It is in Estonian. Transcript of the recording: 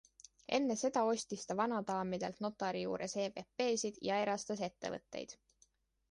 Enne seda ostis ta vanadaamidelt notari juures EVPsid ja erastas ettevõtteid.